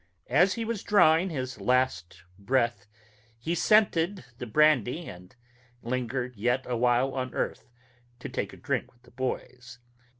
As he was drawing his last breath, he scented the brandy and lingered yet a while on earth, to take a drink with the boys.